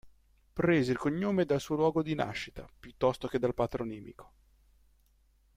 Prese il cognome dal suo luogo di nascita, piuttosto che dal patronimico.